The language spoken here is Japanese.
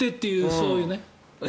そういうね。